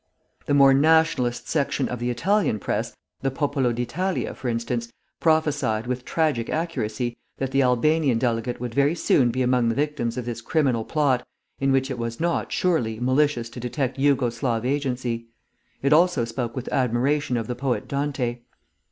The more nationalist section of the Italian press the Popolo d'Italia, for instance prophesied, with tragic accuracy, that the Albanian delegate would very soon be among the victims of this criminal plot, in which it was not, surely, malicious to detect Yugo Slav agency. It also spoke with admiration of the poet Dante.